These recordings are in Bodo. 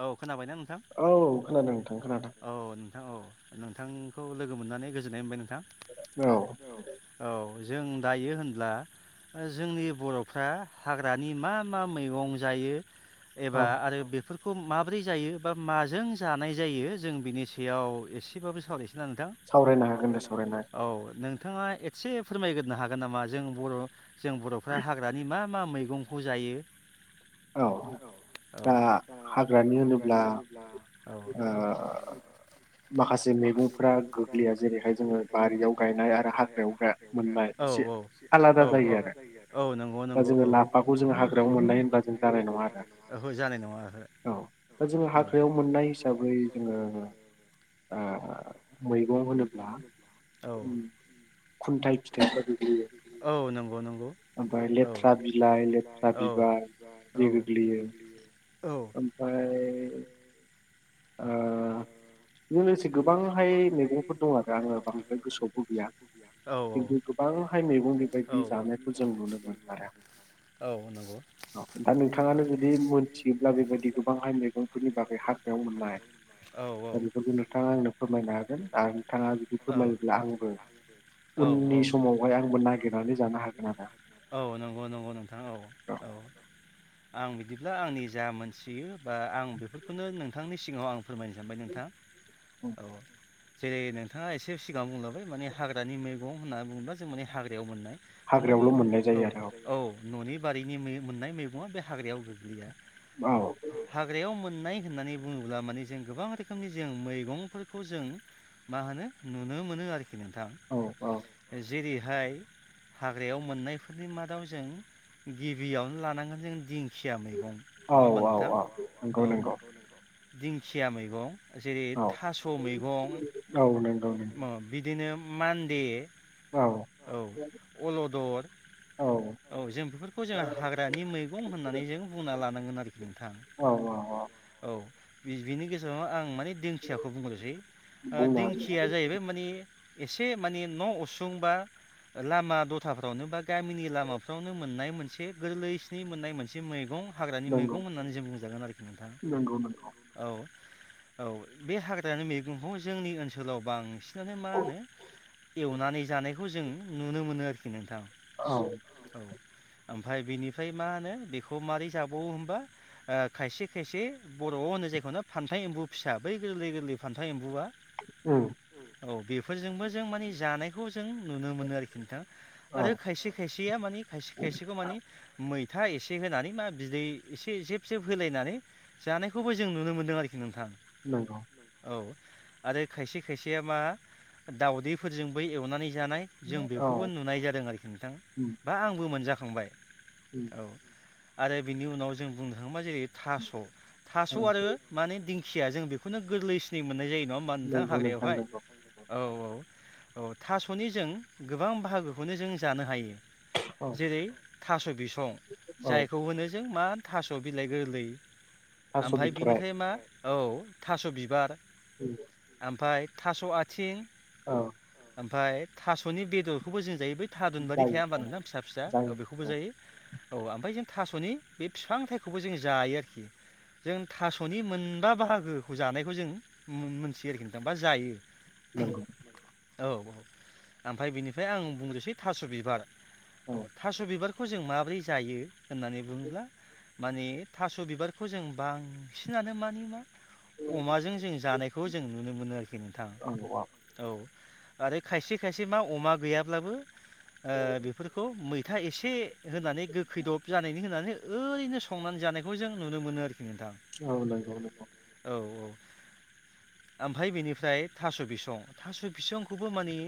औ खोनाबायना नोंथां? औ नोंथां औ नोंथांखौ लोगो मोननानै गोजोननाय मोनबाय नोंथां। औ जों दायो होनब्ला जोंनि बर'फ्रा हाग्रानि मा मा मैगं जायो एबा आरो बे फोरखौ माबोरै जायो बा माजों जानाय जायो जों बिनि सायाव एसेबाबो सावरायसै नोंथां? औ नों थाङा एसे फोरमायग्रोनो हागोन नामा जों बर' जों बर'फ्रा हाग्रानि मा मा मा मैगंखौ जायो? औ दा हाग्रानि होनोब्ला ओ माखासे मैगंफोरा गोग्लैया जेरैहाय जोङो बारियाव गायनाय आरो हाग्रायाव मोननाय औ औ औ औ औ नंगौ नंगौ औ ओहो जानाय नङा आहो औ दा जोङो हाग्रायाव मोननाय हिसाबै जोङो ओ मैगं होनोब्ला औव नंगौ नंगौ ओमफ्राय लेथ्रा बिलाइ लेथ्रा बिबार बे गोग्लैयो ओमफाय ओ बेजों लोगोसे गोबांहाय मैगंफोर दं आरो आङो बांद्राय गोसोआवबो गैया खिन्थु औव औव औव नंगौ औव दा नोंथाङानो जुदि मोनथियोब्ला बेबायदि गोबांहाय मैगंफोरनि बागै हाग्रायाव मोन दा बेफोरखौ नोंथाङा आंनो फोरमायनो हागोन आरो नोंथाङा जुदि फोरमायोब्ला आंबो औ औ औ नंगौ नंगौ नोंथां औ औ आं बिदि ब्ला आंनि जा मोनथियो बा आं बेफोरखौनो नोंथांनि सिगाङाव आं फोरमायनो सानबाय नोंथां औ जेरै नोंथाङा एसे सिगां बुंलाबाय माने हाग्रानि मैगं होनना बुंङोब्ला जों माने हाग्रायाव मोननाय माने बे औ औ न'नि बारिनि मो-मोननाय मैगङा बे हाग्रायाव गोग्लैया। औ हाग्रायाव मोननाय होननानै बुङोब्ला माने जों गोबां रोखोमनि जों मैगंफोरखौ जों मा होनो नुनो मोनो आरोखि। नोंथां जेरैहाय हाग्रायाव मोननायफोरनि मादाव जों गिबियावनो लानांगोन जों दिं औ औ औ नंगौ नंगौ। दिंखिया मैगं। जेरै थास' मैगं बिदिनो मान्दे औ अलदर औ जों बेफोरखौ जों हाग्रानि मैगं होननानै जों बुंना लानांगोन आरोखि नोंथां। औ बिनि गेजेराव आं माने दिंखियाखौ बुंग्रोसै दिंखिया ओ जाहैबाय माने एसे माने न' उसुं बा लामा दथाफ्रावनो बा गामिनि लामाफ्रावनो मोननाय मोनसे गोरलैसिन मोननाय मोनसे मैगं। हाग्रानि मैगं होननानै जों बुंजागोन आरोखि नोंथां औ। औ बे हाग्रानि मैगंखौ जोंनि ओनसोलाव बांसिनानो मा होनो एवनानै जानायखौ जों नुनो मोनो आरोखि नोंथां। औ ओमफ्राय बिनिफ्राय मा होनो बेखौ मारै जाबावो होमबा ओ खायसे खायसे बर'आव होनो जाय फान्था एम्बु फिसा बै गोरलै गोरलै फान्थाव एम्बुआ उम औ बेफोरजोंबो जों माने जानायखौ नुनो मोनो आरोखि नोंथां आरो खायसे खायसेया माने खायसे खायसेखौ माने मै था एसे होनानै मा बिदै एसे जेब जेब होलायनानै जानायखौबो जों जों नुनो मोनदों आरोखि नोंथां। नोंगौ औ आरो खायसे खायसेया मा दाउदैफोरजोंबो एवनानै जानाय जों बेखौबो नुनाय जादों आरोखि नोंथां बा आंबो मोनजाखांबाय। औ आरो बिनि उनाव जों बुंनो थाङोबा जेरै थास' था सखौ आरो माने दिंखिया जों बेखौनो गोरलैसिनै मोननाय जायो। नङा होमबा नोंथां हाग्रायावहाय औ औ। औ थास'नि जों गोबां बाहागोखौनो जों जानो हायो। जेरै थास' बिसं जायखौ होनो जों मा थास' बिलाइ गोरलै ओमफ्राय बिनिफ्राय मा औ थास' बिबार ओमफाय थास' आथिं औ ओमफ्राय थास'नि बेदर खौबो जों जायो। बै थारुन बायदि थाया होमबा नोंथां फिसा फिसा औ बेखौबो जायो। औ ओमफ्राय जों थास'नि बे बिफां थार खौबो जों जायो आरोखि। जों थास'नि मोन बा बाहागोखौ जानायखौ जों मोन मोनथियो आरोखि नोंथां बा जायो। औ। औ ओमफ्राय बिनिफ्राय आं बुंनोसै थास' बिबार औ थास' बिबारखौ बिखौ जों माबोरै जायो होननानै बुङोब्ला माने थास' बिबारखौ जों बां सिनानो माने मा अमाजों जों जानायखौ जों नुनो मोनो आरोखि नोंथां औ। आरो खायसे खायसे मा अमा गैया ब्लाबो ओ बेफोरखौ मैथा एसे एसे होनानै गोखैदब जानायनि होनानै ओरैनो संनानै जानायखौ जों नुनो मोनो आरो। नोंथां औ औ। ओमफ्राय बेनिफ्राय थास' बिसं थास' बिसं खौबो मानि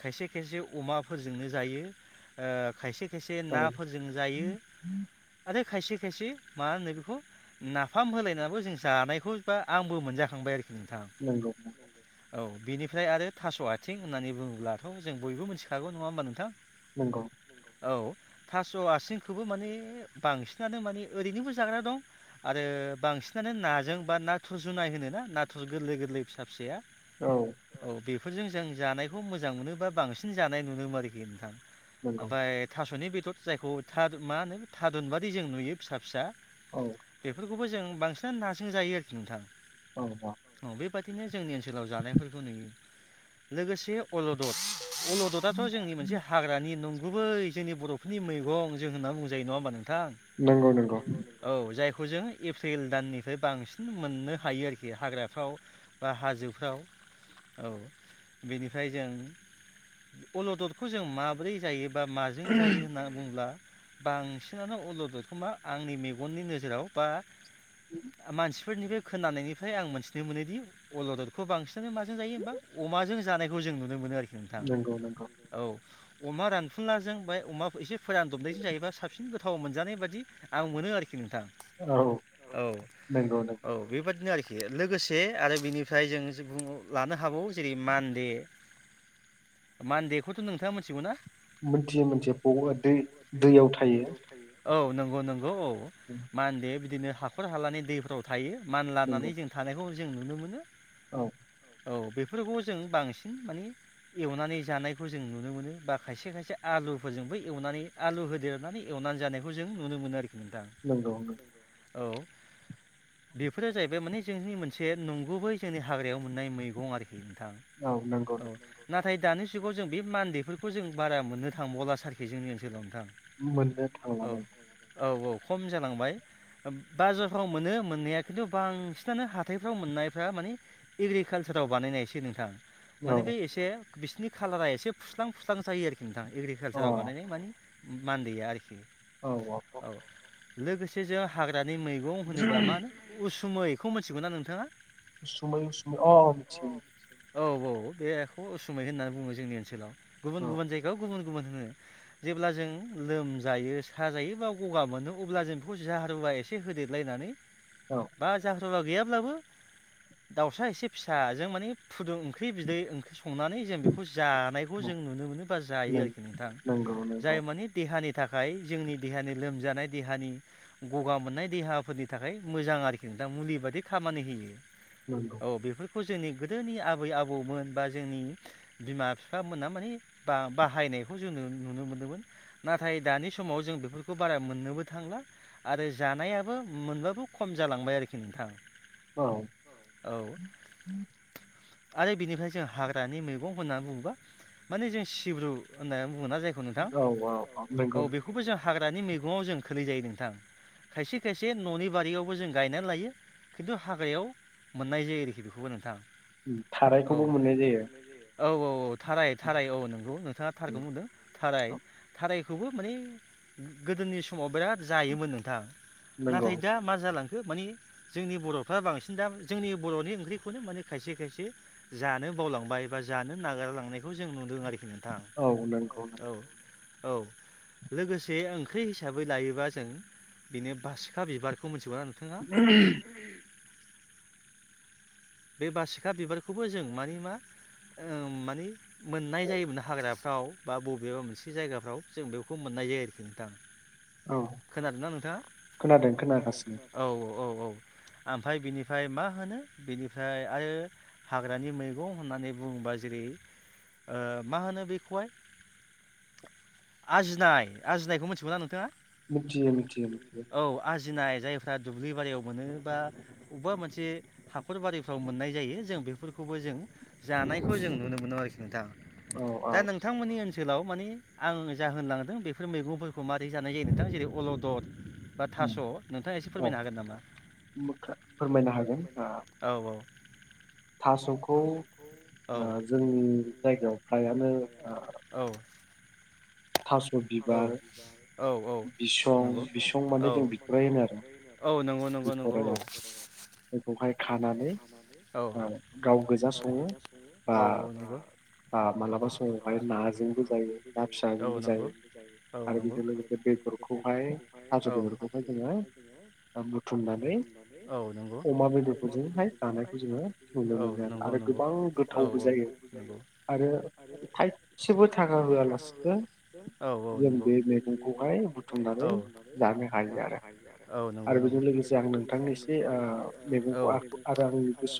खायसे खायसे अमा फोर जोंनो जायो ओ खायसे खायसे नाफोरजों जायो आरो खायसे खायसे मा होनो बेखौ नाफाम होलाय नाबो जों जानायखौ बा आंबो मोनजा खांबाय आरो। नोंथां औ। बिनिफ्राय आरो थास' आथिं होननानै बुङो ब्लाथ' जों बयबो मिथि खागौ नङा होमबा नोंथां? नंगौ। औ थास' आसिं खौबो माने बांसिनानो माने ओरैनोबो जाग्रा दं। आरो बांसिनानो नाजों बा नाथुर जुनाय होनो ना नाथुर गोरलै गोरलै फिसा फिसाया औ। बेफोरजों जों जानायखौ मोजां मोनोबा बांसिन जानाय नुनो मोनो आरोखि नोंथां। ओमफाय थास'नि बेदर जायखौ मा होनो थारुनबादि जों नुयो फिसा फिसा औ। बेफोर खौबो जों बांसिनानो नाजों जायो आरोखि नोंथां। औ औ। बेबादिनो जोंनि ओनसोलाव जानाय फोरखौ नुयो लोगोसे अलदद अलदद आथ' जोंनि मोनसे हाग्रानि नं गुबै जोंनि बर'फोरनि मैगं जों होनना बुंजायो नङा होमबा नोंथां? औ जाय खौ जों एप्रिल दाननि फ्राय बांसिन मोननो हायो आरोखि हाग्राफ्राव बा हाजोफ्राव। औ बेनिफ्राय जों अलददखौ जों माबोरै जायो? बा माजों जायो होननानै बुंल्बा बां सिनानो अलददखौ मा आंनि मेगननि नोजोराव बा मानसि फोर निफ्राय खोनानाय निफ्राय आं मोनथिनो मोनोदि अलददखौ बांसिनानो माजों जायो होमबा अमाजों जानायखौ जों नुनो मोनो आरोखि नोंथां औ। अमा रान फुलाजों बा अमा एसे फोरान दबनायजों जायोबा साबसिन गोथाव मोनजानाय बायदि आं मोनो आरोखि नोंथां। औ औ बेबाय दिनो आरो खि लोगोसे आरो बिनिफ्राय जों बुं लानो हाबावो जेरै मान्डे मान्डे खौथ' नोंथाङा मिथिगौ ना? मोनथियो मोनथियो [unintelligible] दै दैयाव थायो। औ नंगौ नंगौ औ मान्दे बिदिनो हाखर हालानि दैफ्राव थायो। मानलानानै जों थानायखौ जों नुनो मोनो। औ। औ बेफोरखौ जों बांसिन माने एवनानै जानायखौ जों नुनो मोनो बा खायसे खायसे आलु फोरजोंबो एवनानै आलु होदेरनानै एव नानै जानायखौ जों नुनो मोनो आरोखि नोंथां, औ बेफोरो जाहै बाय माने जोंनि मोनसे नंगुबै जोंनि हाग्रायाव मोननाय मैगं आरो खि नोंथां औ ना थाय दानि जुगाव जों बे मान्दे फोरखौ जों बारा मोननो थांबावला आरखि जोंनि ओनसोलाव नोंथां। मोननो थांला नंगौ। औ औ खम जालांबाय। बाजारफ्राव मोनो मोननाया खिन्थु बांसिनानो हाथायफ्राव मोननायफ्रा माने ए कालसाराव बानायनायसो नोंथां माने बे एसे बिसोरनि खालारा एसे फुस्लां फुस्लां जायो आरोखि। नोंथा एग्रिकालसाराव बानायनाय माने मानदैया आरोखि। औ औ। लोगोसे जों हाग्रानि मैगं होनोब्ला मा होनो उसुमैखौ मिथिगौ ना नोंथाङा? उसुमै उसुमै अ मोनथियो। औ औ औ बेखौ उसुमै होननानै बुङो जोंनि ओनसोलाव गुबुन गुबुन जायगायाव गुबुन गुबुन होनो जेब्ला जों लोमजायो साजायो बा गगा मोनो अब्ला जों बेखौ जाहारुवा एसे होदेरलायनानै बा जाहारुवा गैया ब्लाबो दाउसा एसे फिसा जों माने फुदुं ओंख्रि बिदै ओंख्रि संनानै जों बेखौ जानायखौ जों नुनो मोनो बा जायो आरोखि नोंथां जाय माने देहानि थाखाय जोंनि देहानि लोमजानाय देहानि गगा मोननाय देहाफोरनि थाखाय मोजां आरोखि नोंथां मुलि बादि खामानि होयो। औ बेफोर खौ जोंनि गोदोनि आबै आबौमोन बा जोंनि बिमा बिफामोना माने बा-बाहाय नायखौ जोङो नुनो मोनदोंमोन नाथाय दानि समाव जों बेफोरखौ बारा मोननोबो थांला आरो जानायाबो मोनबाबो खम जालांबाय आरोखि नोंथां। औ। आरो बिनिफ्राय जों हाग्रानि मैगं होनना बुङोबा माने जों सिब्रु होनना बुंङोना जायखौ नोंथां औ बेखौबो जों हाग्रानि मैगङाव जों खोलै जायो नोंथां। थां खायसे खायसे न'नि बारियावबो जों गायनानै लायो। खिन्थु हाग्रायाव मोननाय जायो आरोखि बेखौबो नोंथां। थारायखौबो मोननाय जायो। औ औ औ थाराय थाराय औ नंगौ नोंथाङा थारखौनो नुदों थाराय थारायखौ खौबो माने गोदोनि समाव बिराद जायोमोन नोंथां नाथाय दा मा जालां खो माने जोंनि बर'फ्रा बांसिन दा जोंनि बर'नि ओंख्रिखौनो माने खायसे खायसे जानो बावलांबाय बा जानो नागारलांनायखौ जों नुदों आरो नोंथां औ औ लोगोसे ओंख्रि हिसाबै लायोबा जों बेनो बासिखा बिबारखौ मोनथिगौना नोंथाङा? बे बासिखा बिबारखौबो जों मानि मा ओ मानि मोननाय जायोमोन हाग्रा आव बा बबेबा मोनसे जायगाफ्राव जों बेखौ मोननाय जायो आरोखि नोंथां। खोनादोंना नोंथाङा? औ औ। औ ओमफ्राय बिनिफ्राय मा होनो बेनि फ्राय आयो हाग्रानि मैगं होननानै बुङोबा जेरै ओ मा होनो बेखौहाय आजिनाय आजिनायखौ मिथिगौ ना नोंथाङा? मिथियो मिथियो मिथियो। जिनाय जायफ्रा दुब्लि बारियाव मोनो बा अबबा मोनसे हाखरबारि फ्राव मोननाय जायो जों बेफोरखौबो जों जानायखौ जों नुनो मोनो आरोखि नोंथां। दा नोंथांमोननि ओन ओनसोलाव माने आं जाहोनलांदों बेफोर मैगंफोरखौ मारै जानाय जायो नोंथां जेरै अलदर बा थास' नोंथाङा एसे फोरमायनो हागोन नामा? औ औ। थास'खौ ओ जोंनि जायगायाव फ्रायानो ओ औ औ औ नंगौ औ। औ नंगौ नंगौ नंगौ औ। बेखौहाय खानानै ओ गाव गोजा सङो बा बा मालाबा समावहाय नाजोंबो जायो ना फिसाजों नंगौ औ नंगौ औ। औ नंगौ औ नंगौ नंगौ। औ औ नंगौ। आरो थाइसेबो थाखा होआलासिनो औ औ नंगौ औ औ नंगौ। बेजों लोगोसे आं नोंथांनि आंनि गोसोआव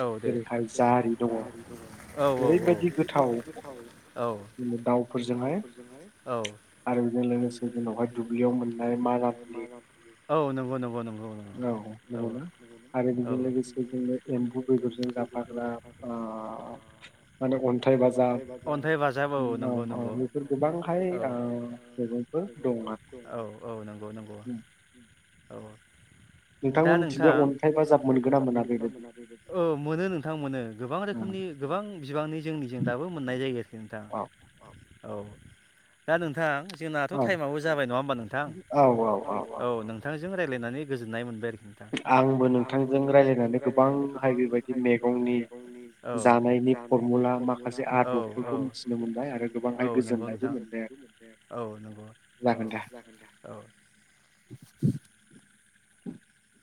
औ औ औ दे औ औ औ औ औ औ नंगौं नंगौ नंगौ नंगौ नंगौना आरो बेजों लोगोसे जोंनो एम्बु बेदरजों जाफाग्रा ओ [unintelligible] अन्थाइ बाजाब औ नंगौ नंगौ औ। औ औ नंगौ नंगौ औ। दा नोंथां अन्थाइ बाजाब मोनगोन मोनो औ मोनो नोंथां मोनो गोबां रोखोम गोबां बिबांनि जोंनिजों दाबो मोननाय जायो नोंथां। औ दा नोंथांआ जोंनाथ' टाइमाबो जाबाय नङा होमबा नोंथां औ नोंथांजों रायज्लायनानै गोजोननाय मोनबाय आरोखि नोंथां आंबो नोंथांजों रायज्लायनानै गोबांहाय बेबायदि मैगंनि जानायनि फरमुला माखासे आदबफोरखौ मिथिनो मोनबाय आरो गोबांहाय गोजोननायबो मोनबाय आरो। औ नंगौ औ औ जागोन दे औ। [inaudible]